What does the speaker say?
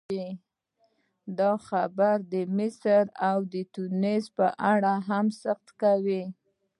دا خبره د مصر او ټونس په اړه هم صدق کوي.